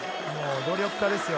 努力家です。